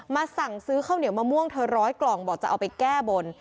สั่งซื้อข้าวเหนียวมะม่วงเธอร้อยกล่องบอกจะเอาไปแก้บน